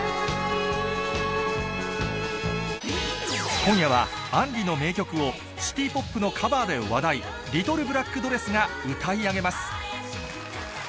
今夜は杏里の名曲を、シティポップのカバーで話題、リトルブラックドレスが歌い上げます。